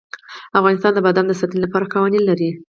افغانستان د بادام د ساتنې لپاره قوانین لري.